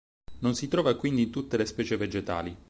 Non si trova quindi in tutte le specie vegetali.